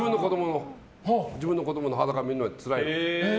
自分の子供の裸を見るのはつらいの。